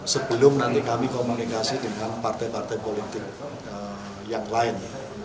sebelum nanti kami komunikasi dengan partai partai politik yang lain